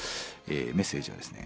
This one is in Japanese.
メッセージはですね